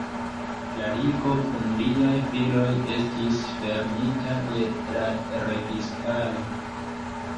La Ligo kun liaj filoj estis fermita de la registaro.